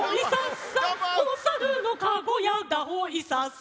「おさるのかごやだほいさっさ！」